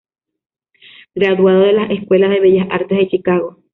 Graduado de la escuela de Bellas Artes de Chicago.